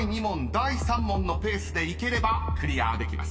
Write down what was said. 第３問のペースでいければクリアできます］